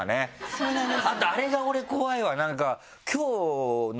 そうなんです。